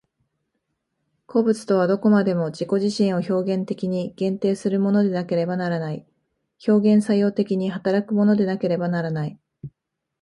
個物とはどこまでも自己自身を表現的に限定するものでなければならない、表現作用的に働くものでなければならない。